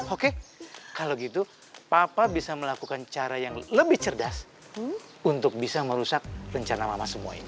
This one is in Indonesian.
oke kalau gitu papa bisa melakukan cara yang lebih cerdas untuk bisa merusak rencana mama semua ini